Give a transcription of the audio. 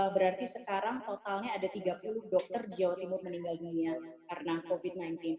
berarti sekarang totalnya ada tiga puluh dokter di jawa timur meninggal dunia karena covid sembilan belas